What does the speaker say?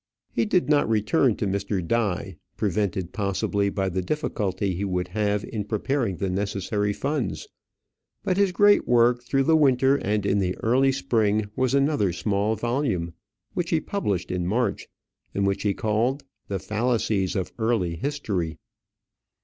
He did not return to Mr. Die, prevented possibly by the difficulty he would have in preparing the necessary funds. But his great work through the winter and in the early spring was another small volume, which he published in March, and which he called, "The Fallacies of Early History."